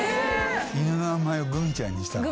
犬の名前をグミちゃんにしたの？